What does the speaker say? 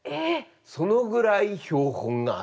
そのぐらい標本があるんですよ。